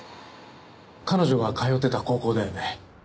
彼女が通ってた高校だよね。